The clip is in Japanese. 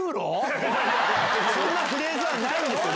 そんなフレーズはないんですよ！